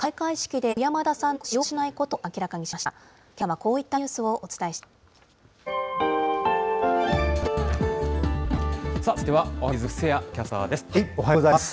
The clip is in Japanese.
けさはこういったニュースをお伝えしています。